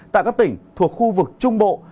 tại các tỉnh thuộc khu vực trung bộ